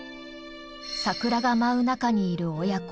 桜が舞う中にいる親子。